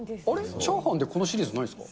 チャーハンでこのシリーズないですか？